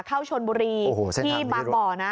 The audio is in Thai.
เข้าชนบุรีที่บางบ่อนะ